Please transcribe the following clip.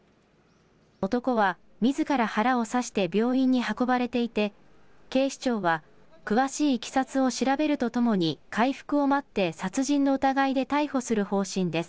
男はみずから腹を刺して病院に運ばれていて、警視庁は詳しいいきさつを調べるとともに、回復を待って殺人の疑いで逮捕する方針です。